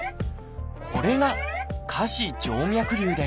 これが「下肢静脈りゅう」です。